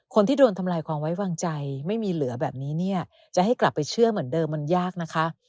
คนที่โดนทำลายความไว้วางใจไม่มีเหลือแบบนี้เนี่ยจะให้กลับไปเชื่อเหมือนเดิมมันยากนะคะ